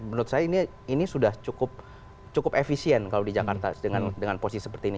menurut saya ini sudah cukup efisien kalau di jakarta dengan posisi seperti ini